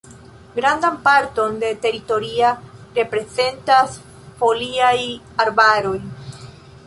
Grandan parton de teritoria reprezentas foliaj arbaroj.